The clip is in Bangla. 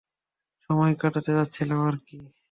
সময় কাটাতে চাচ্ছিলাম আর কি।